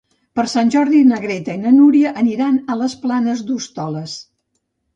Per Sant Jordi na Greta i na Núria aniran a les Planes d'Hostoles.